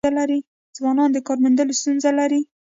ځوانان د کار موندلو ستونزه لري.